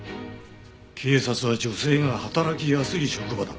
警察は女性が働きやすい職場だ。